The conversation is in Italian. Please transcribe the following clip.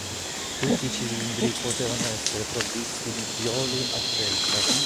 Tutti i cilindri potevano essere provvisti di pioli a scelta.